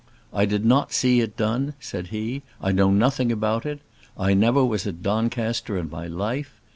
"I did not see it done," said he. "I know nothing about it. I never was at Doncaster in my life.